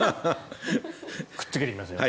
くっつけていきますね。